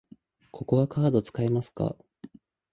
ここはカード使えますか？